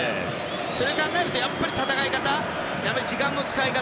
それを考えるとやっぱり戦い方時間の使い方。